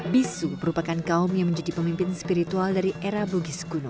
bisu merupakan kaum yang menjadi pemimpin spiritual dari era bugis kuno